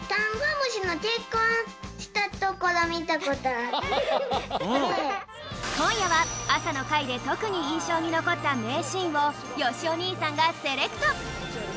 こんやは朝の会でとくにいんしょうにのこった名シーンをよしお兄さんがセレクト！